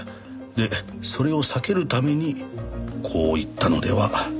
でそれを避けるためにこう行ったのではないでしょうか。